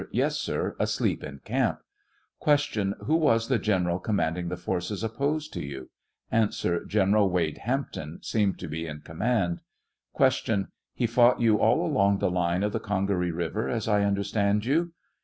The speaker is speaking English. Yes, sir ; asleep in camp. Q. Wlio was the General commanding the forces opposed to you ? A. Gen. Wade Hampton seemed to be in command. Q. He fought you all along the line of the Oongaree river, as I understand you